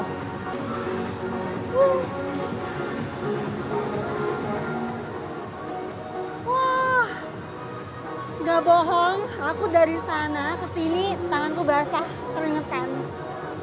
tidak bohong aku dari sana ke sini tanganku basah keringet sekali